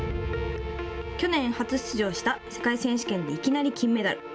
去年初出場した世界選手権でいきなり金メダル。